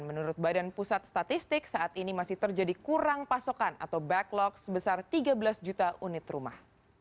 menurut badan pusat statistik saat ini masih terjadi kurang pasokan atau backlog sebesar tiga belas juta unit rumah